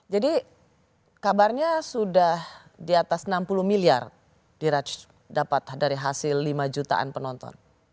jadi kabarnya sudah di atas enam puluh miliar dapat dari hasil lima jutaan penonton